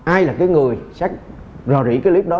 ai là cái người rò rỉ cái clip đó